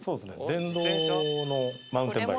電動のマウンテンバイク。